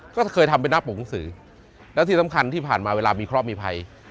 ก็เคยทำเป็นหน้าปกหนังสือแล้วที่สำคัญที่ผ่านมาเวลามีเคราะห์มีภัย